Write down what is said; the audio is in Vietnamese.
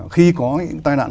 khi có những tai nạn xảy ra